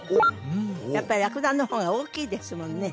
やっぱりラクダの方が大きいですもんね